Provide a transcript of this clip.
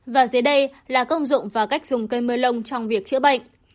và dưới đây là công dụng và cách dùng cây mơ lông trong việc chữa bệnh